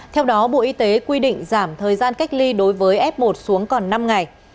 theo đó bộ y tế quy định giảm thời gian cách ly đối với f một xuống còn năm ngày